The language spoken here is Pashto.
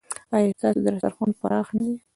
ایا ستاسو دسترخوان پراخ نه دی؟